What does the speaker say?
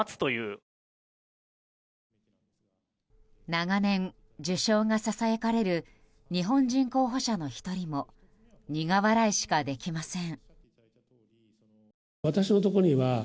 長年、受賞がささやかれる日本人候補者の１人も苦笑いしかできません。